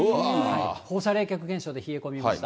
放射冷却現象で冷え込みました。